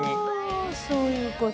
◆ああ、そういうこと。